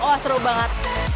wah seru banget